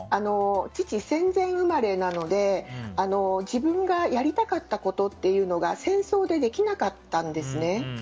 父、戦前生まれなので自分がやりたかったことというのが戦争でできなかったんですね。